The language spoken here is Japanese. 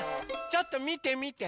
ちょっとみてみて。